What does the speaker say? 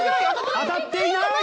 当たってない？